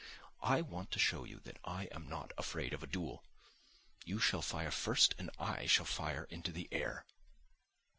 I want to show you that I am not afraid of a duel. You shall fire first and I shall fire into the air."